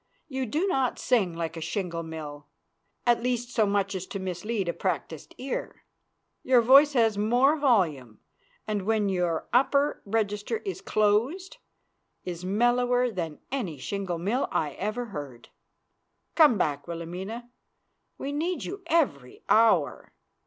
You do not sing like a shingle mill; at least so much as to mislead a practiced ear. Your voice has more volume, and when your upper register is closed, is mellower than any shingle mill I ever heard. Come back, Wilhelmina. We need you every hour.